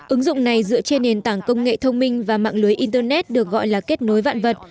ứng dụng này dựa trên nền tảng công nghệ thông minh và mạng lưới internet được gọi là kết nối vạn vật